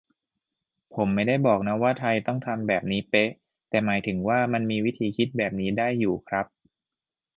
ผมไม่ได้บอกนะว่าไทยต้องทำแบบนี้เป๊ะ แต่หมายถึงว่า มันมีวิธีคิดแบบนี้ได้อยู่ครับ